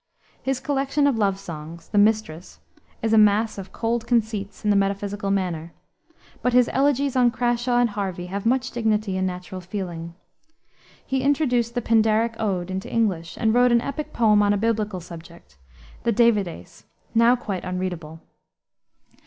His collection of love songs the Mistress is a mass of cold conceits, in the metaphysical manner; but his elegies on Crashaw and Harvey have much dignity and natural feeling. He introduced the Pindaric ode into English, and wrote an epic poem on a biblical subject the Davideis now quite unreadable.